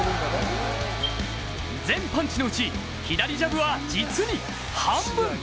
全パンチのうち左ジャブは実に半分。